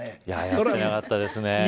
やってなかったですね。